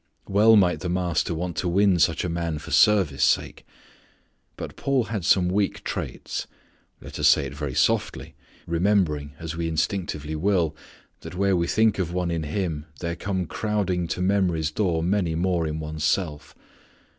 Well might the Master want to win such a man for service' sake. But Paul had some weak traits. Let us say it very softly, remembering as we instinctively will, that where we think of one in him there come crowding to memory's door many more in one's self.